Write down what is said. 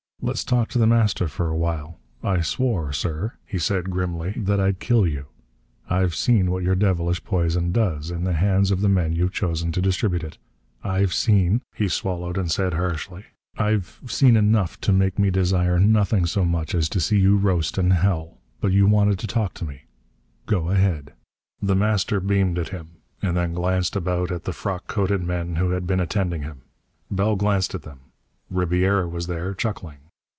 "Let's talk to The Master for a while. I swore, sir," he said grimly, "that I'd kill you. I've seen what your devilish poison does, in the hands of the men you've chosen to distribute it. I've seen" he swallowed and said harshly "I've seen enough to make me desire nothing so much as to see you roast in hell! But you wanted to talk to me. Go ahead!" The Master beamed at him, and then glanced about at the frock coated men who had been attending him. Bell glanced at them. Ribiera was there, chuckling.